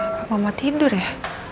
apa mama tidur ya